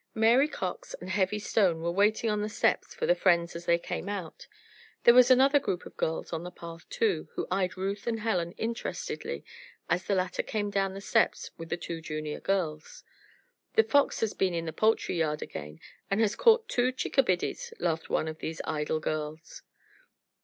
Mary Cox and "Heavy" Stone were waiting on the steps for the friends as they came out. There was another group of girls on the path, too, who eyed Ruth and Helen interestedly as the latter came down the steps with the two Juniors. "'The Fox' has been in the poultry yard again, and has caught two chickabiddies," laughed one of these idle girls.